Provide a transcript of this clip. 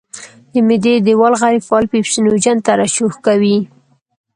د معدې دېوال غیر فعال پیپسوجین ترشح کوي.